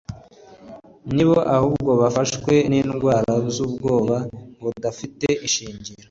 ni bo ahubwo bafashwe n'indwara y'ubwoba, budafite ishingiro